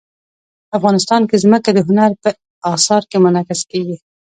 افغانستان کې ځمکه د هنر په اثار کې منعکس کېږي.